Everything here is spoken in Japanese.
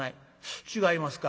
「違いますか。